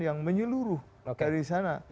yang menyeluruh dari sana